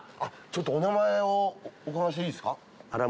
ちょっとお名前をお伺いしていいですか？